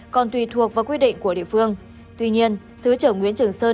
còn tùy thuộc vào quy định của địa phương tuy nhiên thứ trưởng nguyễn trưởng sơn